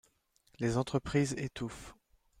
Les entreprises étouffent.